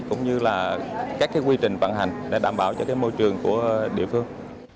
cũng như là các cái quy trình vận hành để đảm bảo cho cái môi trường của địa phương